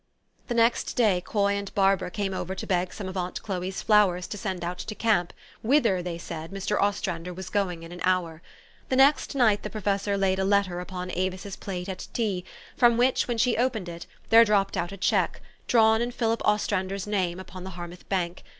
The next day Coy and Barbara came over to beg some of aunt Chloe's flowers to send ou,t to camp, whither, they said, Mr. Ostrander was going in an hour. The next night the professor laid a letter upon A vis's plate at tea, from which, when she opened it, there dropped out a check, drawn in Philip Os trander's name, upon the Harmouth Bank.